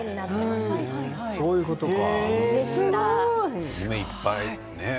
そういうことか。